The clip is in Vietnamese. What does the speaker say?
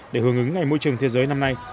để hướng ứng ngày môi trường thế giới năm nay